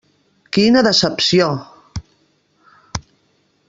Quina decepció!